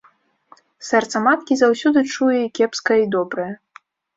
Сэрца маткі заўсёды чуе і кепскае і добрае.